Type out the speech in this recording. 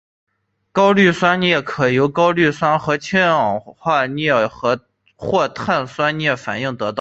高氯酸镍可由高氯酸和氢氧化镍或碳酸镍反应得到。